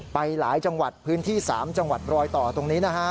ไปหลายจังหวัดพื้นที่๓จังหวัดรอยต่อตรงนี้นะฮะ